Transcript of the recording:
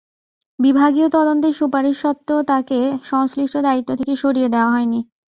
বিভাগীয় তদন্তের সুপারিশ সত্ত্বেও তাঁকে সংশ্লিষ্ট দায়িত্ব থেকে সরিয়ে দেওয়া হয়নি।